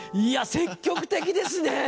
いや積極的ですね！